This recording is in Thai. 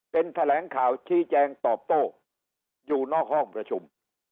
เป็นแถลงข่าวชี้แจงตอบโต้อยู่นอกห้องประชุม